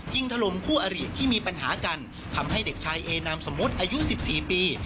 ยิงทะลมผู้อเรียกที่มีปัญหากันทำให้เด็กชายเอนามสมมติอายุสิบสี่ปี